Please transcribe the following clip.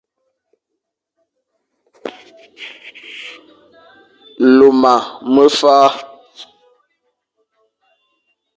Luma mefa,